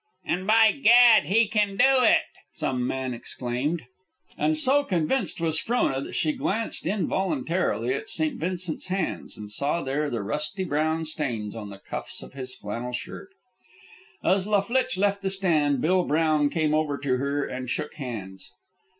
"And by gad he can do it!" some man exclaimed. And so convinced was Frona that she glanced involuntarily at St. Vincent's hands, and saw there the rusty brown stains on the cuffs of his flannel shirt. As La Flitche left the stand, Bill Brown came over to her and shook hands.